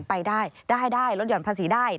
ไปได้รถหย่อนภาษีได้